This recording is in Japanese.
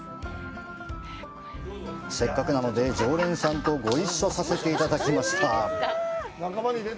せっかくなので、常連さんとご一緒させていただきました！